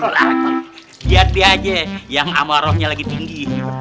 liat dia aja yang amorohnya lagi tinggi